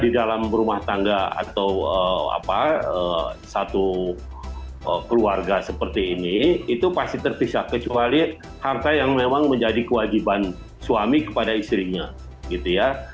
di dalam rumah tangga atau satu keluarga seperti ini itu pasti terpisah kecuali harta yang memang menjadi kewajiban suami kepada istrinya gitu ya